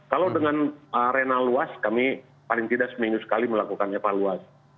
kalau dengan arena luas kami paling tidak seminggu sekali melakukan evaluasi